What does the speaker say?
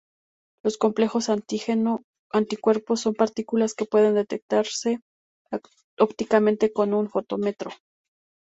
Los complejos antígeno-anticuerpo son partículas que pueden detectarse ópticamente con un fotómetro.